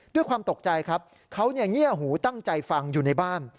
ด้วยความตกใจครับเขาเงียบหูตั้งใจฟังอยู่ในบ้าน